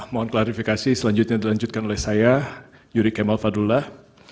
mohon klarifikasi selanjutnya dilanjutkan oleh saya yuri kemal fadullah